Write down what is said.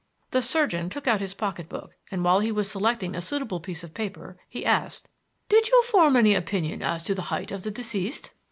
The surgeon took out his pocket book, and, while he was selecting a suitable piece of paper, he asked: "Did you form any opinion as to the height of the deceased?"